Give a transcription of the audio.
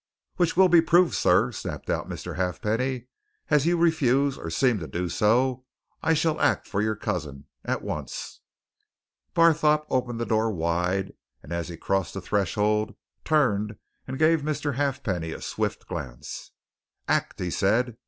"Which will be proved, sir," snapped out Mr. Halfpenny. "As you refuse, or seem to do so, I shall act for your cousin at once." Barthorpe opened the door wide, and as he crossed the threshold, turned and gave Mr. Halfpenny a swift glance. "Act!" he said.